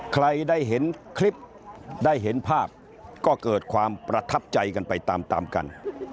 ใครได้เห็นคลิปได้เห็นภาพก็เกิดความประทับใจกันไปตามตามกัน